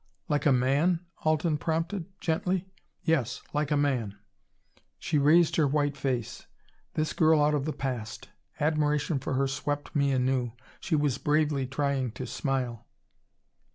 "Like a man?" Alten prompted gently. "Yes; like a man." She raised her white face. This girl out of the past! Admiration for her swept me anew she was bravely trying to smile.